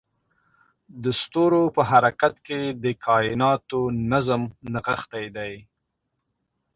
د ستورو په حرکت کې د کایناتو نظم نغښتی دی.